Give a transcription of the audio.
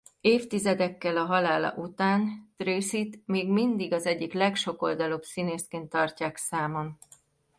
Évtizedekkel a halála után Tracyt még mindig az egyik legsokoldalúbb színészként tartják számon.